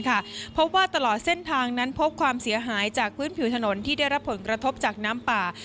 เพราะว่าตลอดเส้นทางนั้นพบความเสียหายจากพื้นผิวถนนที่ได้รับผลกระทบจากน้ำป่า